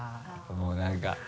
もう何か。